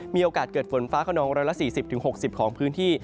๑๓๑๖มีโอกาสเกิดฝนฟ้าขนองร้อยละ๔๐๖๐ของพื้นที่